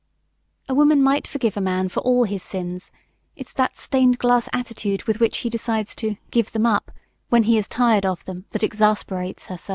A woman might forgive a man for all his sins; it's that stained glass attitude with which he decides to "give them up" when he is tired of them that exasperates her so.